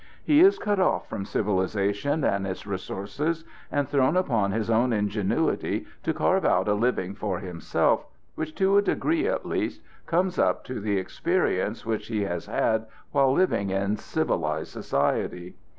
He is cut off from civilization and its resources and thrown upon his own ingenuity to carve out a living for himself which, to a degree at least, comes up to the experience which he has had while living in civilized society.